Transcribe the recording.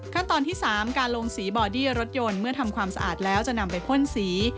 ขั้นตอนที่๓การลงสีบอดี้รถยนต์เมื่อทำความสะอาดแล้วจะนำไปพ่นสี